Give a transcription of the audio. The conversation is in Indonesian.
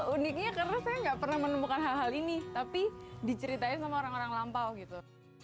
uniknya karena saya nggak pernah menemukan hal hal ini tapi diceritain sama orang orang lampau gitu